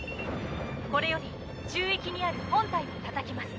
これより宙域にある本体をたたきます。